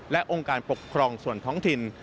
และองค์การปกครองส่วนท้องถิ่น